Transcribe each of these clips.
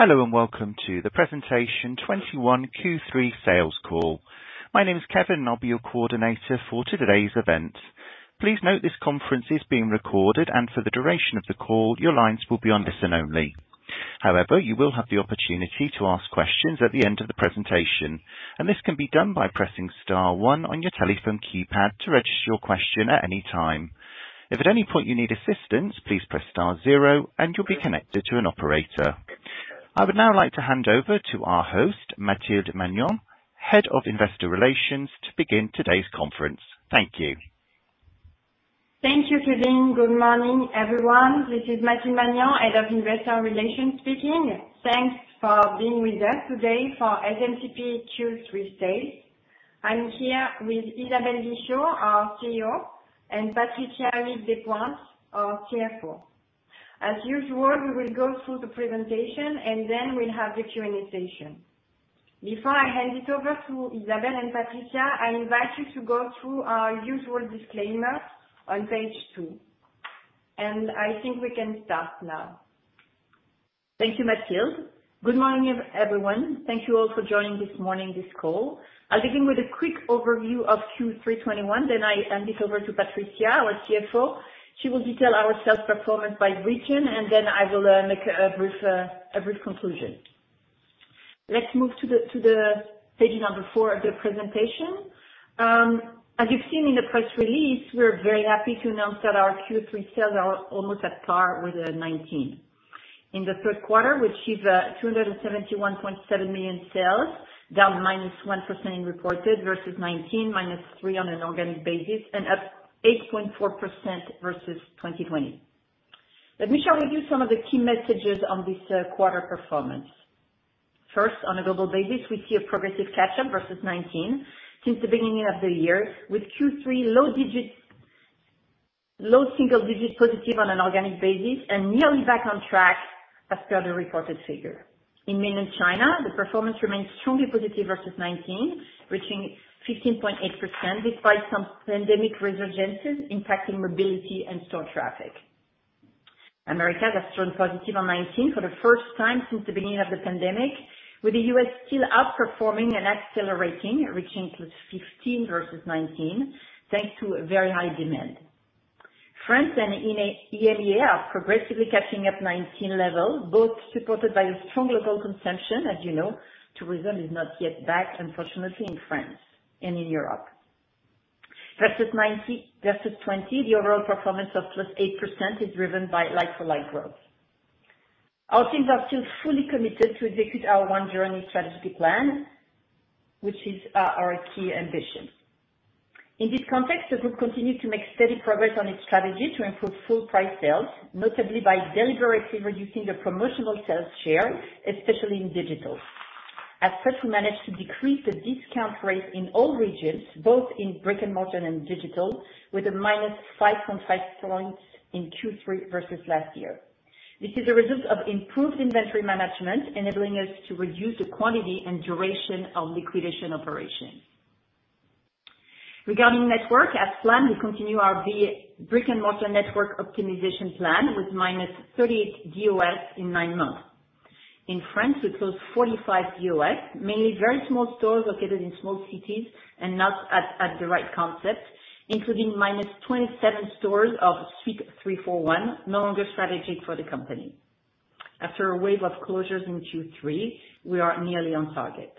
Hello, and welcome to the 2021 Q3 sales call. My name is Kevin, and I'll be your coordinator for today's event. Please note this conference is being recorded, and for the duration of the call, your lines will be on listen only. However, you will have the opportunity to ask questions at the end of the presentation, and this can be done by pressing star one on your telephone keypad to register your question at any time. If at any point you need assistance, please press star zero and you'll be connected to an operator. I would now like to hand over to our host, Mathilde Magnan, Head of Investor Relations, to begin today's conference. Thank you. Thank you, Kevin. Good morning, everyone. This is Mathilde Magnan, Head of Investor Relations speaking. Thanks for being with us today for SMCP Q3 results. I'm here with Isabelle Guichot, our CEO, and Patricia Huyghues Despointes, our CFO. As usual, we will go through the presentation and then we'll have the Q&A session. Before I hand it over to Isabelle and Patricia, I invite you to go through our usual disclaimer on page two. I think we can start now. Thank you, Mathilde. Good morning, everyone. Thank you all for joining this morning this call. I'll begin with a quick overview of Q3 2021, then I hand it over to Patricia, our CFO. She will detail our sales performance by region, and then I will make a brief conclusion. Let's move to the page number four of the presentation. As you've seen in the press release, we're very happy to announce that our Q3 sales are almost at par with 2019. In the third quarter, we achieved 271.7 million sales, down -1% in reported versus 2019, -3% on an organic basis, and up 8.4% versus 2020. Let me share with you some of the key messages on this quarter performance. First, on a global basis, we see a progressive catch-up versus 2019 since the beginning of the year, with Q3 low single digits positive on an organic basis and nearly back on track as per the reported figure. In Mainland China, the performance remains strongly positive versus 2019, reaching 15.8% despite some pandemic resurgences impacting mobility and store traffic. America has turned positive on 2019 for the first time since the beginning of the pandemic, with the U.S. still outperforming and accelerating, reaching +15% versus 2019, thanks to a very high demand. France and EMEA are progressively catching up 2019 levels, both supported by a strong local consumption. As you know, tourism is not yet back, unfortunately, in France and in Europe. Versus 2020, the overall performance of +8% is driven by like-for-like growth. Our teams are still fully committed to execute our One Journey strategic plan, which is our key ambition. In this context, the group continued to make steady progress on its strategy to improve full price sales, notably by deliberately reducing the promotional sales share, especially in digital. As such, we managed to decrease the discount rate in all regions, both in brick-and-mortar and digital, with a -5.5 points in Q3 versus last year. This is a result of improved inventory management, enabling us to reduce the quantity and duration of liquidation operations. Regarding network, as planned, we continue our brick-and-mortar network optimization plan with -38 DOS in nine months. In France, we closed 45 DOS, mainly very small stores located in small cities and not at the right concept, including -27 stores of Suite 341, no longer strategic for the company. After a wave of closures in Q3, we are nearly on target.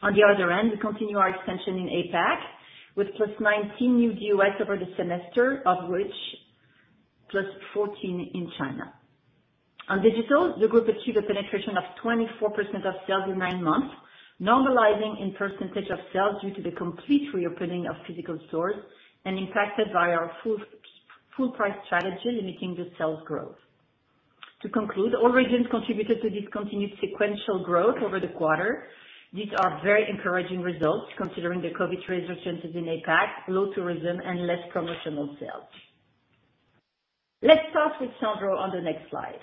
On the other end, we continue our expansion in APAC with +19 new DOS over the semester, of which +14 in China. On digital, the group achieved a penetration of 24% of sales in nine months, normalizing in percentage of sales due to the complete reopening of physical stores and impacted by our full price strategy limiting the sales growth. To conclude, all regions contributed to this continued sequential growth over the quarter. These are very encouraging results considering the COVID resurgences in APAC, low tourism, and less promotional sales. Let's start with Sandro on the next slide.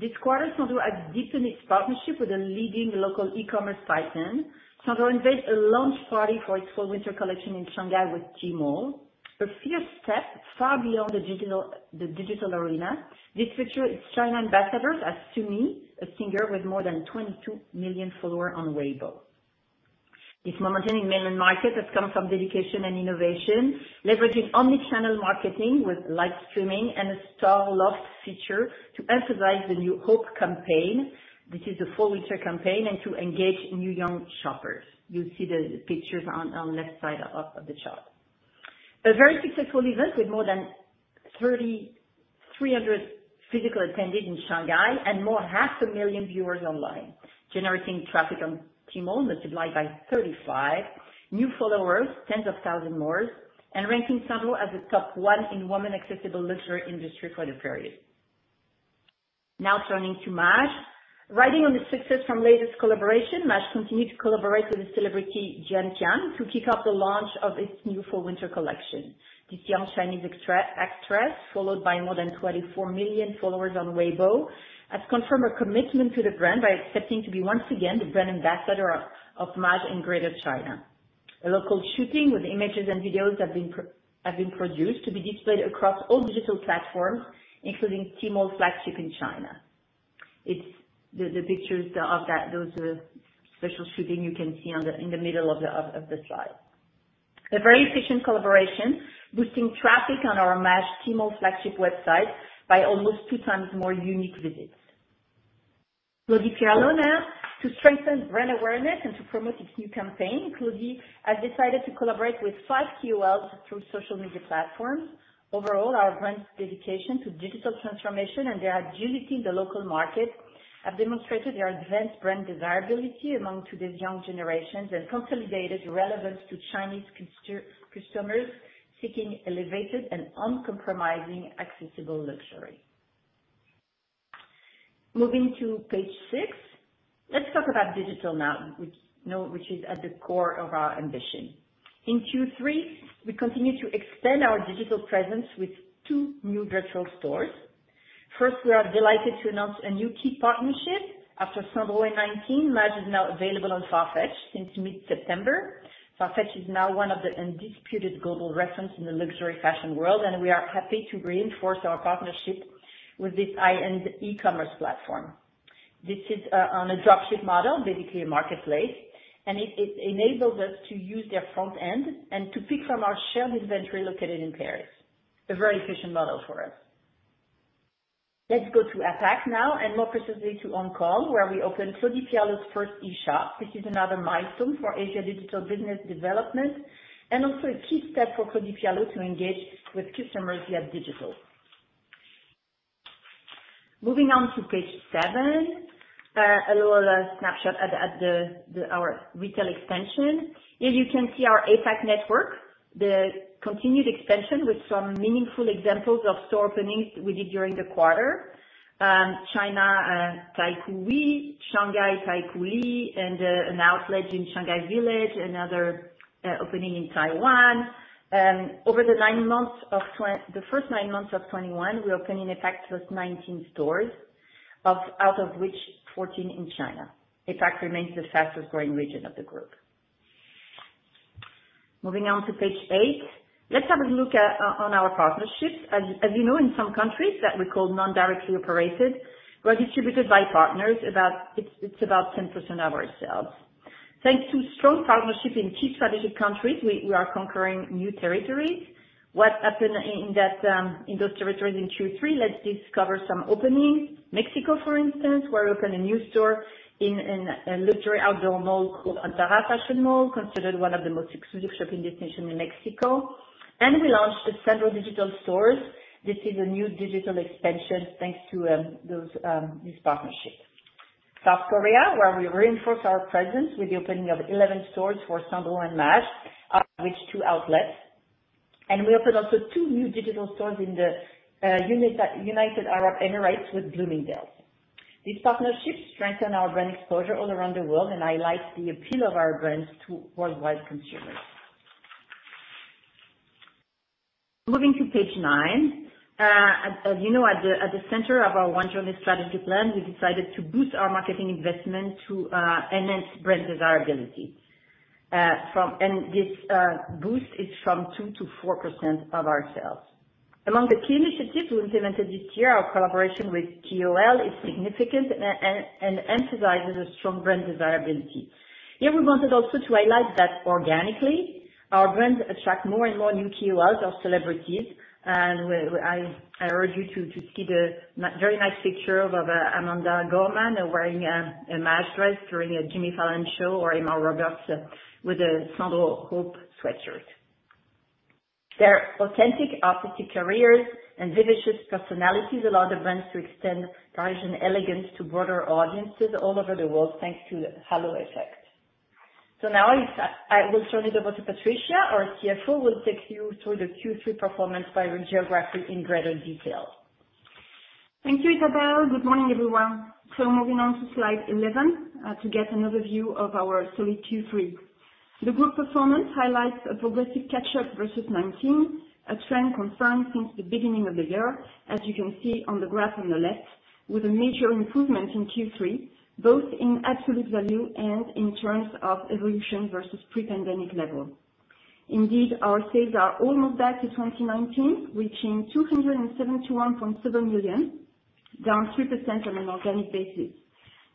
This quarter, Sandro has deepened its partnership with a leading local e-commerce titan. Sandro held a launch party for its fall/winter collection in Shanghai with Tmall. A few steps further beyond the digital arena, this featured its China ambassadors as Sunnee, a singer with more than 22 million followers on Weibo. This momentum in mainland market has come from dedication and innovation, leveraging omnichannel marketing with live streaming and a store lock feature to emphasize the New Hope campaign, which is a fall/winter campaign, and to engage new young shoppers. You see the pictures on the left side of the shop. A very successful event with more than 300 physically attended in Shanghai and more than 500,000 viewers online, generating traffic on Tmall multiplied by 35, new followers, tens of thousands more, and ranking Sandro as a top one in women's accessible luxury industry for the period. Now turning to Maje. Riding on the success from latest collaboration, Maje continued to collaborate with the celebrity Jian Tian to kick off the launch of its new fall/winter collection. This young Chinese actress, followed by more than 24 million followers on Weibo, has confirmed her commitment to the brand by accepting to be once again the brand ambassador of Maje in Greater China. A local shooting with images and videos have been produced to be displayed across all digital platforms, including Tmall flagship in China. It's the pictures of those special shooting you can see in the middle of the slide. A very efficient collaboration boosting traffic on our Maje TMall flagship website by almost 2x more unique visits. Claudie Pierlot now. To strengthen brand awareness and to promote its new campaign, Claudie has decided to collaborate with five KOLs through social media platforms. Overall, our brands' dedication to digital transformation and their agility in the local market have demonstrated their advanced brand desirability among today's young generations and consolidated relevance to Chinese consumers seeking elevated and uncompromising accessible luxury. Moving to page six. Let's talk about digital now, which, you know, is at the core of our ambition. In Q3, we continued to extend our digital presence with two new virtual stores. First, we are delighted to announce a new key partnership. After Sandro in 2019, Maje is now available on FARFETCH since mid-September. FARFETCH is now one of the undisputed global reference in the luxury fashion world, and we are happy to reinforce our partnership with this high-end e-commerce platform. This is on a dropship model, basically a marketplace, and it enabled us to use their front end and to pick from our shared inventory located in Paris. A very efficient model for us. Let's go to APAC now, and more precisely to Hong Kong, where we opened Claudie Pierlot's first e-shop. This is another milestone for Asia digital business development and also a key step for Claudie Pierlot to engage with customers via digital. Moving on to page seven, a little snapshot of our retail expansion. Here you can see our APAC network, the continued expansion with some meaningful examples of store openings we did during the quarter. China Taikoo Li, Shanghai Taikoo Li, and an outlet in Shanghai Village, another opening in Taiwan. Over the first nine months of 2021, we opened in APAC +19 stores, out of which 14 in China. APAC remains the fastest growing region of the group. Moving on to page eight. Let's have a look at our partnerships. As you know, in some countries that we call non-directly operated, we are distributed by partners. About, it's about 10% of our sales. Thanks to strong partnership in key strategic countries, we are conquering new territories. What happened in those territories in Q3, let's discover some openings. Mexico, for instance, where we opened a new store in a luxury outdoor mall called Antara Fashion Hall, considered one of the most exclusive shopping destinations in Mexico. We launched several digital stores. This is a new digital expansion thanks to those, these partnerships. South Korea, where we reinforce our presence with the opening of 11 stores for Sandro and Maje, of which two outlets. We opened also two new digital stores in the United Arab Emirates with Bloomingdale's. These partnerships strengthen our brand exposure all around the world, and highlight the appeal of our brands to worldwide consumers. Moving to page nine. As you know, at the center of our One Journey strategy plan, we decided to boost our marketing investment to enhance brand desirability. From. This boost is from 2%-4% of our sales. Among the key initiatives we implemented this year, our collaboration with KOL is significant and emphasizes a strong brand desirability. Here we wanted also to highlight that organically, our brands attract more and more new KOLs or celebrities. I urge you to see the very nice picture of Amanda Gorman wearing a Maje dress during a Jimmy Fallon show, or Emma Roberts with a Sandro Hope sweatshirt. Their authentic artistic careers and vivacious personalities allow the brands to extend Parisian elegance to broader audiences all over the world, thanks to the halo effect. Now I will turn it over to Patricia, our CFO, who will take you through the Q3 performance by geography in greater detail. Thank you, Isabelle. Good morning, everyone. Moving on to slide 11, to get another view of our solid Q3. The group performance highlights a progressive catch-up versus 2019, a trend confirmed since the beginning of the year, as you can see on the graph on the left, with a major improvement in Q3, both in absolute value and in terms of evolution versus pre-pandemic level. Indeed, our sales are almost back to 2019, reaching 271.7 million, down 3% on an organic basis.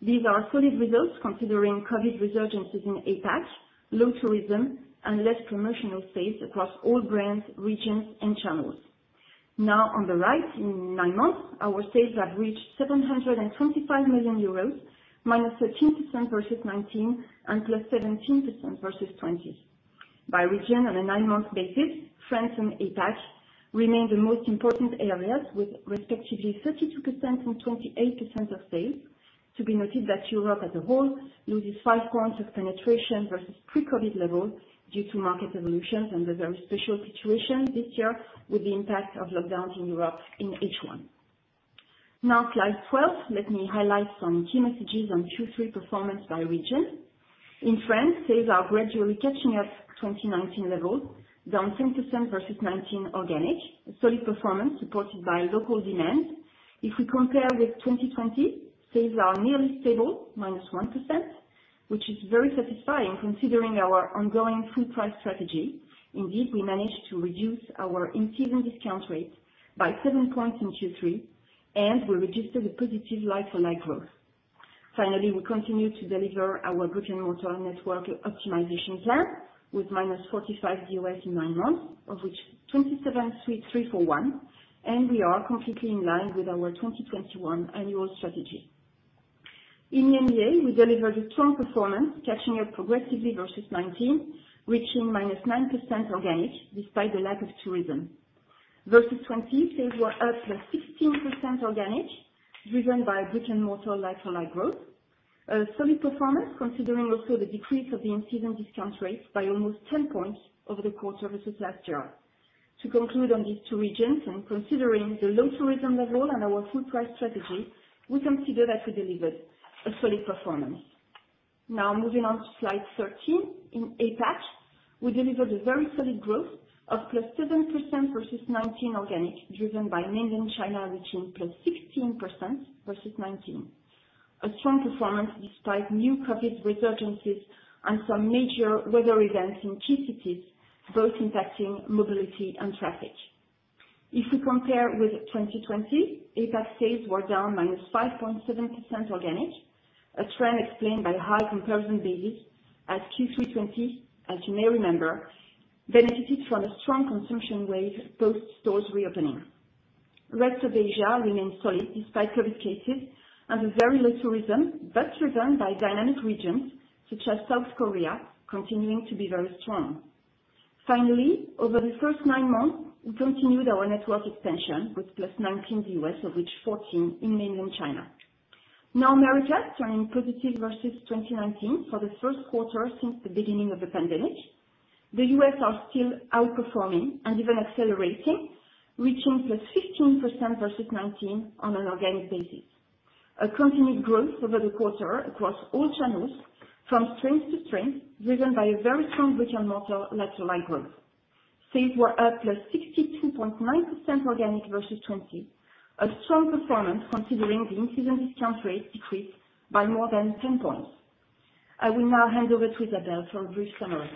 These are solid results considering COVID resurgences in APAC, low tourism, and less promotional space across all brands, regions, and channels. Now on the right, in nine months, our sales have reached 725 million euros, -13% versus 2019 and +17% versus 2020. By region, on a nine month basis, France and APAC remain the most important areas with respectively 32% and 28% of sales. To be noted that Europe as a whole loses 5 points of penetration versus pre-COVID levels due to market evolutions and the very special situation this year with the impact of lockdowns in Europe in H1. Now slide 12, let me highlight some key messages on Q3 performance by region. In France, sales are gradually catching up 2019 levels, down 10% versus 2019 organic. A solid performance supported by local demand. If we compare with 2020, sales are nearly stable, minus 1%, which is very satisfying considering our ongoing full price strategy. Indeed, we managed to reduce our in-season discount rate by 7 points in Q3, and we registered a positive like-for-like growth. Finally, we continue to deliver our brick-and-mortar network optimization plan with -45 DOS in nine months, of which 27 Suite 341. We are completely in line with our 2021 annual strategy. In EMEA, we delivered a strong performance, catching up progressively versus 2019, reaching -9% organic despite the lack of tourism. Versus 2020, sales were up +16% organic, driven by brick-and-mortar like-for-like growth. A solid performance, considering also the decrease of the in-season discount rate by almost 10 points over the quarter versus last year. To conclude on these two regions, and considering the low tourism level and our full price strategy, we consider that we delivered a solid performance. Now, moving on to slide 13. In APAC, we delivered a very solid growth of +7% versus 2019 organic, driven by Mainland China, reaching +16% versus 2019. A strong performance despite new COVID resurgences and some major weather events in key cities, both impacting mobility and traffic. If we compare with 2020, APAC sales were down -5.7% organic, a trend explained by high comparison basis, as Q3 2020, as you may remember, benefited from a strong consumption wave post stores reopening. Rest of Asia remains solid despite COVID cases and a very low tourism, but driven by dynamic regions such as South Korea continuing to be very strong. Finally, over the first nine months, we continued our network expansion with +19 DOS, of which 14 in Mainland China. Now Americas turning positive versus 2019 for the first quarter since the beginning of the pandemic. The U.S. are still outperforming and even accelerating, reaching +15% versus 2019 on an organic basis. Continued growth over the quarter across all channels from strength to strength, driven by a very strong brick-and-mortar like-for-like growth. Sales were up +62.9% organic versus 2020. A strong performance considering the in-season discount rate decreased by more than 10 points. I will now hand over to Isabelle for a brief summary.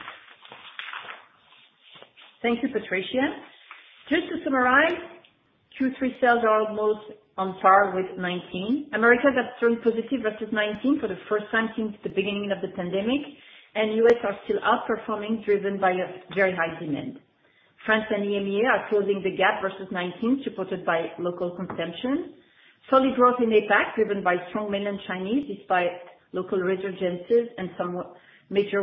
Thank you, Patricia. Just to summarize, Q3 sales are almost on par with 2019. Americas have turned positive versus 2019 for the first time since the beginning of the pandemic, and U.S. are still outperforming, driven by a very high demand. France and EMEA are closing the gap versus 2019, supported by local consumption. Solid growth in APAC, driven by strong Mainland China despite local resurgences and some major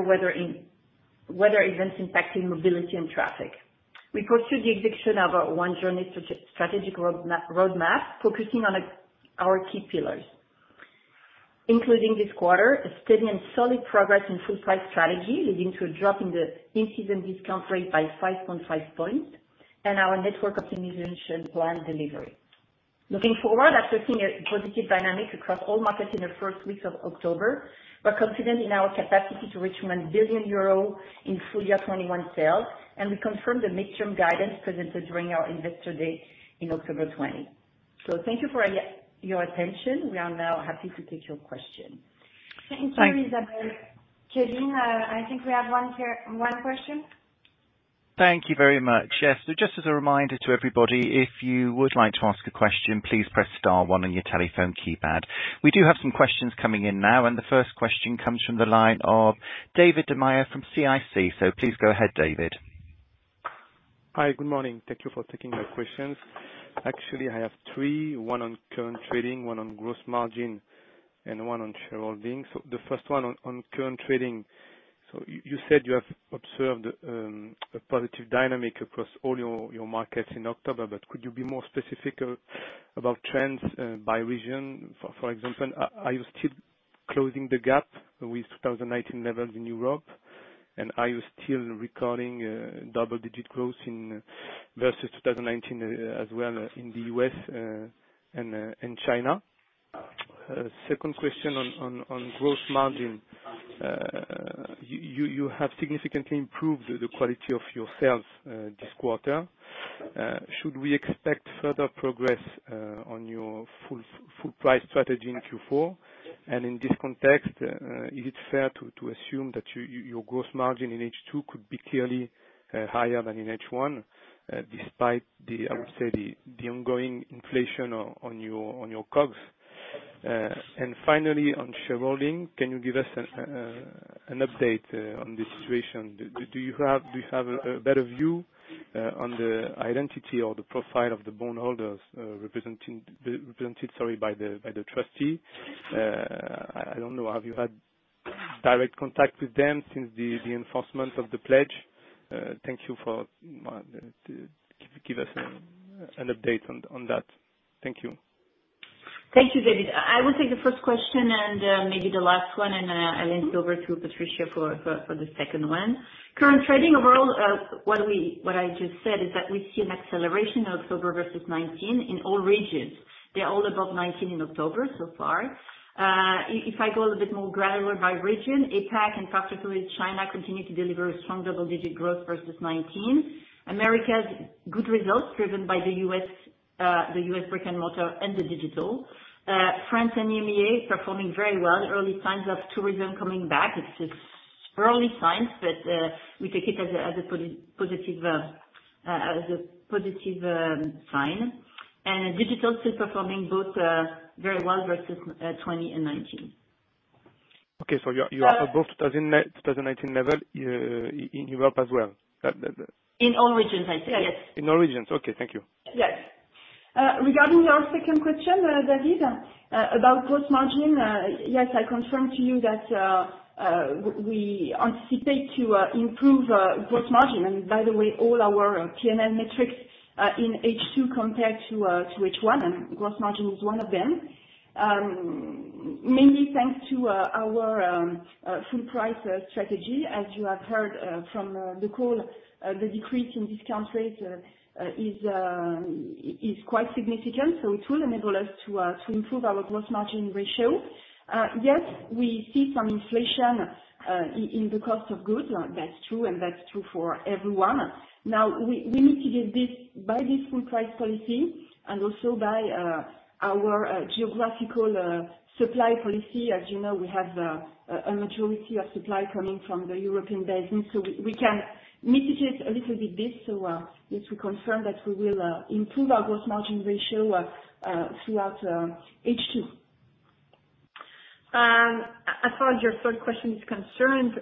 weather events impacting mobility and traffic. We pursue the execution of our One Journey strategic roadmap, focusing on our key pillars. Including this quarter, a steady and solid progress in full price strategy, leading to a drop in the in-season discount rate by 5.5 points, and our network optimization plan delivery. Looking forward, assessing a positive dynamic across all markets in the first weeks of October, we're confident in our capacity to reach 1 billion euro in full year 2021 sales, and we confirm the midterm guidance presented during our Investor Day in October 2020. Thank you for your attention. We are now happy to take your question. Thank you, Isabelle. Thank you. Kevin, I think we have one question. Thank you very much. Yes. Just as a reminder to everybody, if you would like to ask a question, please press star one on your telephone keypad. We do have some questions coming in now, and the first question comes from the line of David Da Maia from CIC. Please go ahead, David. Hi, good morning. Thank you for taking my questions. Actually, I have three: one on current trading, one on gross margin, and one on shareholding. The first one on current trading. You said you have observed a positive dynamic across all your markets in October, but could you be more specific about trends by region? For example, are you still closing the gap with 2019 levels in Europe? Are you still recording double-digit growth versus 2019 as well in the U.S. and China? Second question on gross margin. You have significantly improved the quality of your sales this quarter. Should we expect further progress on your full price strategy in Q4? In this context, is it fair to assume that your gross margin in H2 could be clearly higher than in H1, despite, I would say, the ongoing inflation on your costs? Finally, on shareholding, can you give us an update on the situation? Do you have a better view on the identity or the profile of the bondholders represented by the trustee? I don't know, have you had direct contact with them since the enforcement of the pledge? Thank you to give us an update on that. Thank you. Thank you, David. I will take the first question and maybe the last one, and I'll hand over to Patricia for the second one. Current trading overall, what I just said is that we see an acceleration of October versus 2019 in all regions. They're all above 2019 in October so far. If I go a little bit more granular by region, APAC and particularly China continue to deliver strong double-digit growth versus 2019. Americas, good results driven by the U.S., the U.S. brick-and-mortar and the digital. France and EMEA is performing very well. Early signs of tourism coming back. It's just early signs, but we take it as a positive sign. Digital is performing both very well versus 2020 and 2019. Okay. You're above 2019 level in Europe as well? In all regions, I think, yes. In all regions. Okay, thank you. Yes. Regarding your second question, David, about gross margin, yes, I confirm to you that we anticipate to improve gross margin. By the way, all our P&L metrics in H2 compare to H1, and gross margin is one of them. Mainly thanks to our full price strategy. As you have heard from the call, the decrease in discount rates is quite significant, so it will enable us to improve our gross margin ratio. Yes, we see some inflation in the cost of goods. That's true, and that's true for everyone. Now, we need to offset this by this full price policy and also by our geographical supply policy. As you know, we have a maturity of supply coming from the European basin, so we can mitigate a little bit this, so yes, we confirm that we will improve our gross margin ratio throughout H2. As far as your third question is concerned,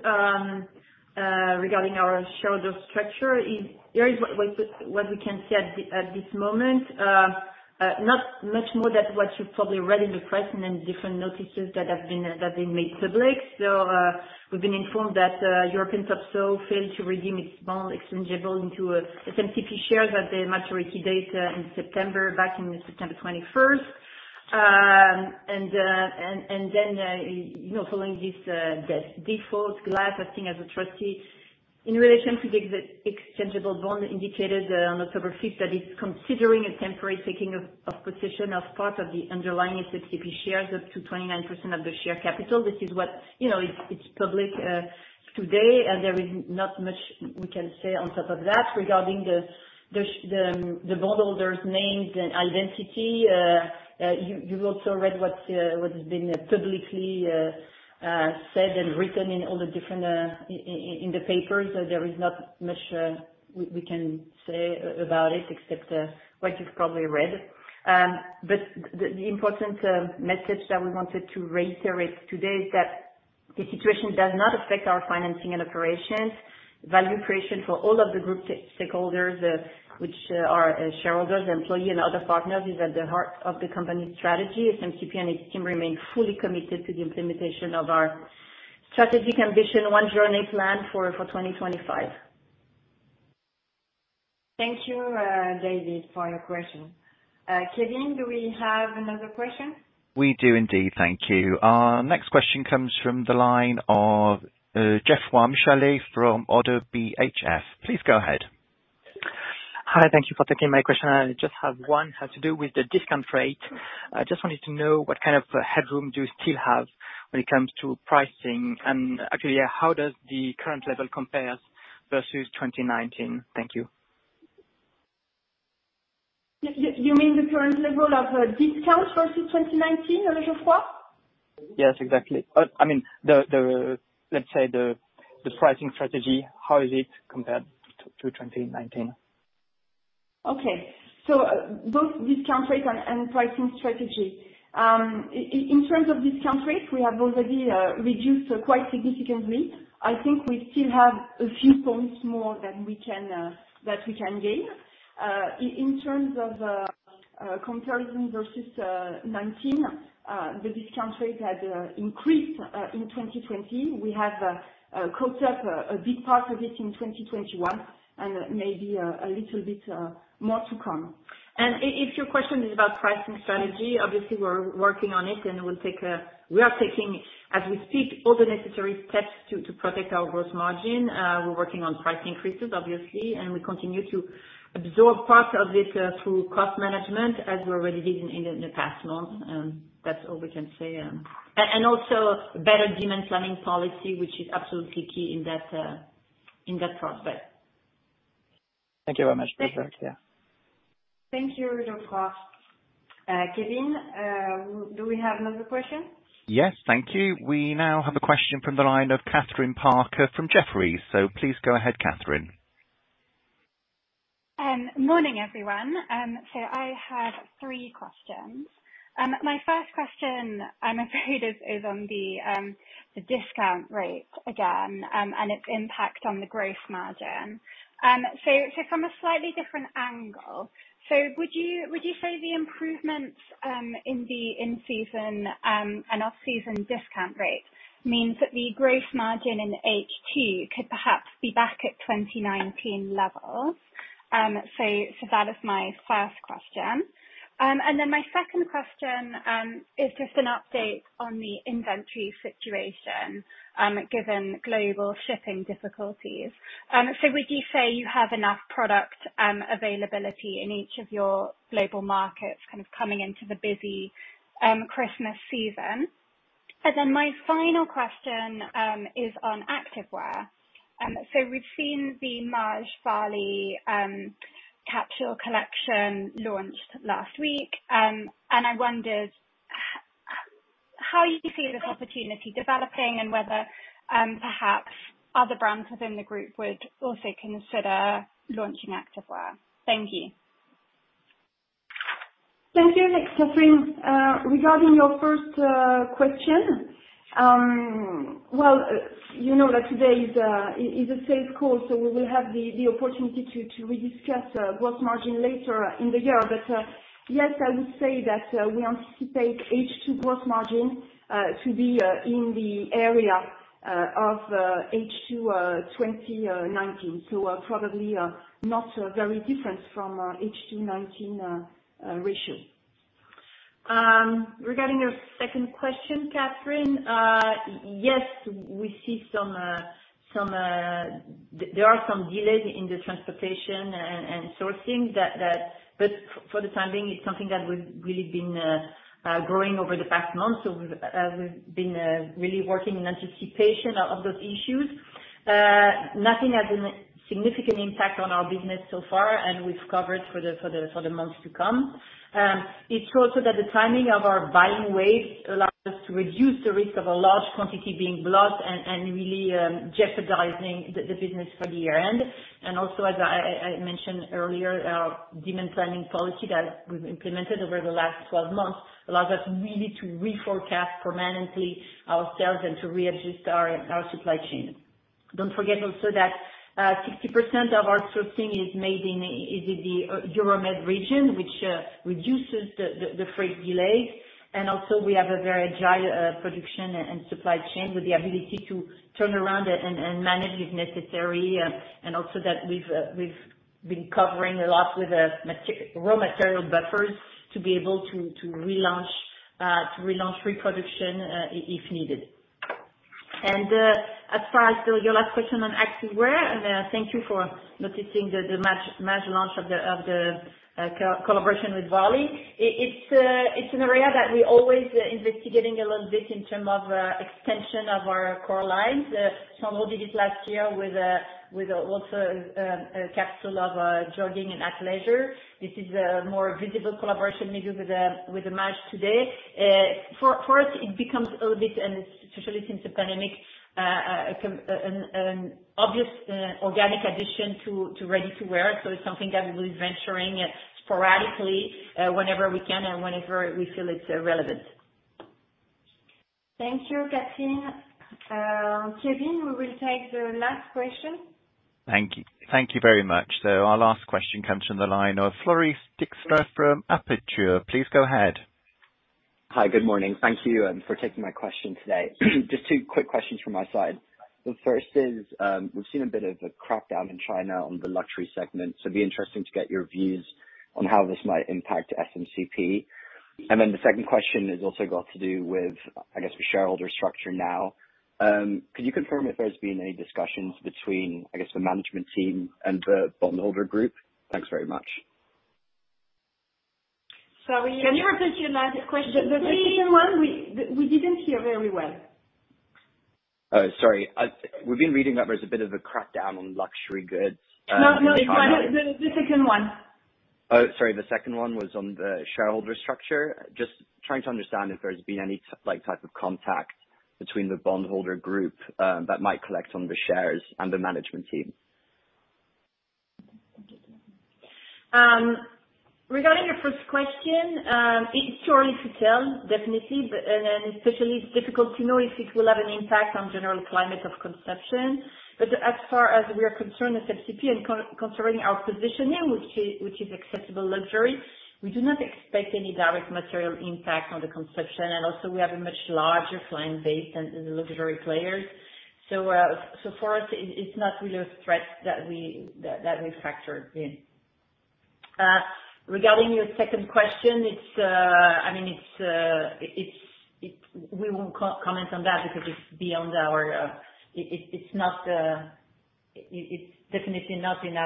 regarding our shareholder structure, it. Here is what we can say at this moment. Not much more than what you've probably read in the press and then different notices that have been made public. We've been informed that European Topsoho failed to redeem its bond exchangeable into SMCP shares at the maturity date in September, back in September 21st. You know, following this default, GLAS acting as a trustee, in relation to the exchangeable bond indicated on October 5th, that it's considering a temporary taking of position as part of the underlying SMCP shares, up to 29% of the share capital. This is what you know, it's public today. There is not much we can say on top of that. Regarding the bondholder's names and identity, you've also read what has been publicly said and written in all the different in the papers. There is not much we can say about it except what you've probably read. The important message that we wanted to reiterate today is that the situation does not affect our financing and operations. Value creation for all of the group stakeholders, which are shareholders, employee, and other partners, is at the heart of the company's strategy. SMCP and its team remain fully committed to the implementation of our strategic ambition One Journey plan for 2025. Thank you, David, for your question. Kevin, do we have another question? We do indeed. Thank you. Our next question comes from the line of Geoffroy Michalet from ODDO BHF. Please go ahead. Hi. Thank you for taking my question. I just have one. Has to do with the discount rate. I just wanted to know what kind of headroom do you still have when it comes to pricing? Actually, how does the current level compare versus 2019? Thank you. You mean the current level of discount versus 2019, Geoffroy? Yes, exactly. I mean, let's say the pricing strategy, how is it compared to 2019? Okay. Both discount rate and pricing strategy. In terms of discount rate, we have already reduced quite significantly. I think we still have a few points more that we can gain. In terms of comparison versus 2019, the discount rate had increased in 2020. We have caught up a big part of it in 2021 and maybe a little bit more to come. If your question is about pricing strategy, obviously we're working on it, and we are taking, as we speak, all the necessary steps to protect our gross margin. We're working on price increases obviously, and we continue to absorb part of this through cost management, as we already did in the past months. That's all we can say. Also better demand planning policy, which is absolutely key in that prospect. Thank you very much. Appreciate it. Yeah. Thank you, Geoffroy. Kevin, do we have another question? Yes. Thank you. We now have a question from the line of Kathryn Parker from Jefferies. Please go ahead, Kathryn. Morning, everyone. I have three questions. My first question, I'm afraid, is on the discount rate again, and its impact on the gross margin. From a slightly different angle, would you say the improvements in the in-season and off-season discount rate means that the gross margin in H2 could perhaps be back at 2019 levels? That is my first question. My second question is just an update on the inventory situation, given global shipping difficulties. Would you say you have enough product availability in each of your global markets kind of coming into the busy Christmas season? My final question is on Activewear. We've seen the Maje x Varley capsule collection launched last week. I wondered how you see this opportunity developing and whether perhaps other brands within the group would also consider launching activewear. Thank you. Thank you. Thanks, Kathryn. Regarding your first question, well, you know that today is a safe call, so we will have the opportunity to rediscuss gross margin later in the year. Yes, I would say that we anticipate H2 gross margin to be in the area of H2 2019. Probably not very different from H2 2019 ratio. Regarding your second question, Kathryn, yes, we see some delays in the transportation and sourcing. But for the time being, it's something that we've really been growing over the past months. We've been really working in anticipation of those issues. Nothing has a significant impact on our business so far, and we've covered for the months to come. It's also that the timing of our buying wave allows us to reduce the risk of a large quantity being blocked and really jeopardizing the business for the year end. Also, as I mentioned earlier, our demand planning policy that we've implemented over the last 12 months allows us really to re-forecast permanently ourselves and to readjust our supply chain. Don't forget also that 60% of our sourcing is made in the Euromed region, which reduces the freight delays. We have a very agile production and supply chain, with the ability to turn around and manage if necessary, and also that we've been covering a lot with raw material buffers to be able to relaunch reproduction if needed. As far as your last question on activewear, thank you for noticing the Maje launch of the collaboration with Varley. It is an area that we are always investigating a little bit in terms of extension of our core lines. Some initiative last year with a capsule of jogging and athleisure. This is a more visible collaboration made with Maje today. For us, it becomes a little bit, and especially since the pandemic, it can be an obvious organic addition to ready-to-wear. It's something that we'll be venturing sporadically, whenever we can and whenever we feel it's relevant. Thank you, Kathryn. Kevin, we will take the last question. Thank you. Thank you very much. Our last question comes from the line of Floris Dijkstra from Aperture. Please go ahead. Hi, good morning. Thank you for taking my question today. Just two quick questions from my side. The first is, we've seen a bit of a crackdown in China on the luxury segment, so it'd be interesting to get your views on how this might impact SMCP. The second question has also got to do with, I guess, the shareholder structure now. Could you confirm if there's been any discussions between, I guess, the management team and the bondholder group? Thanks very much. Sorry. Can you repeat your last question? Please. The second one we didn't hear very well. Oh, sorry. We've been reading that there's a bit of a crackdown on luxury goods in China. No, no. The second one. Oh, sorry. The second one was on the shareholder structure. Just trying to understand if there's been any, like, type of contact between the bondholder group that might collect on the shares and the management team. Regarding your first question, it's too early to tell, definitely, and then especially it's difficult to know if it will have an impact on general climate of consumption. As far as we are concerned as SMCP and considering our positioning, which is accessible luxury, we do not expect any direct material impact on the consumption. We also have a much larger client base than the luxury players. For us, it's not really a threat that we've factored in. Regarding your second question, I mean, we won't comment on that because it's beyond our. It's definitely not in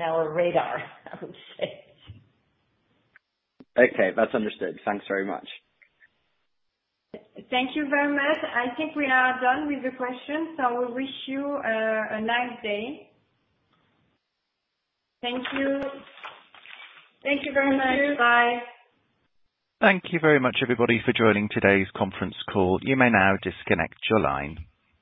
our radar, I would say. Okay, that's understood. Thanks very much. Thank you very much. I think we are done with the questions, so we wish you a nice day. Thank you. Thank you very much. Bye. Thank you very much, everybody, for joining today's conference call. You may now disconnect your line.